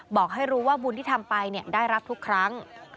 บอกให้รู้ว่าบุญที่ทำไปได้รับทุกครั้ง